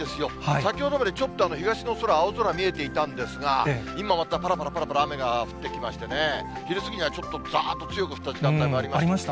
先ほどまでちょっと東の空、青空見えていたんですが、今またぱらぱらぱらぱら雨が降ってきましてね、昼過ぎにはちょっとざーっと強く降った時間帯もありました。